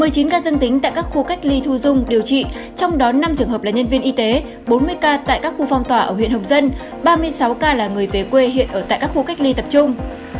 một mươi chín ca dân tính tại các khu cách ly thu dung điều trị trong đó năm trường hợp là nhân viên y tế bốn mươi ca tại các khu phong tỏa ở huyện hồng dân ba mươi sáu ca là người về quê hiện ở tại các khu cách ly tập trung